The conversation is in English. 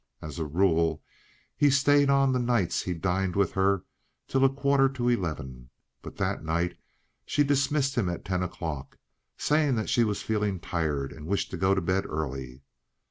As a rule, he stayed on the nights he dined with her till a quarter to eleven. But that night she dismissed him at ten o'clock, saying that she was feeling tired and wished to go to bed early.